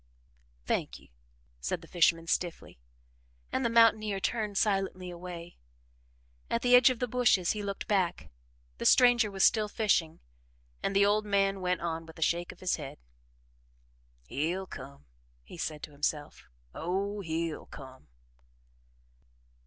"Thank you," said the fisherman stiffly, and the mountaineer turned silently away. At the edge of the bushes, he looked back; the stranger was still fishing, and the old man went on with a shake of his head. "He'll come," he said to himself. "Oh, he'll come!"